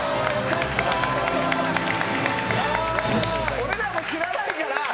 俺らも知らないから。